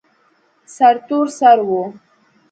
سرتور سر و.